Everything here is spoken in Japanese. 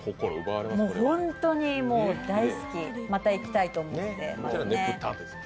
本当に大好き、また行きたいと思って思いますね。